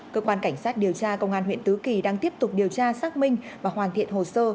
cơ quan cảnh sát điều tra công an huyện tứ kỳ đang tiếp tục điều tra xác minh và hoàn thiện hồ sơ